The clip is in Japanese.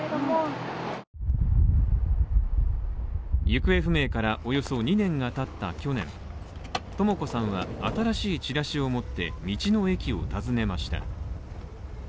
行方不明からおよそ２年がたった去年、とも子さんは新しいチラシを持って道の駅を訪ねました。